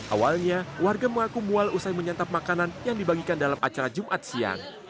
awalnya warga mengaku mual usai menyantap makanan yang dibagikan dalam acara jumat siang